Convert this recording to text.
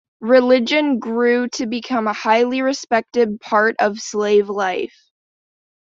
Religion grew to become a highly respected part of slave life.